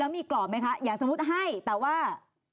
มีกรอบไหมคะอย่างสมมุติให้แต่ว่า